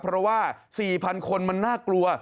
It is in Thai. เพราะว่า๔๐๐คนมันน่ากลัว